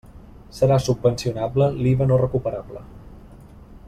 Serà subvencionable l'IVA no recuperable.